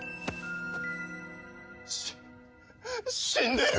し死んでる！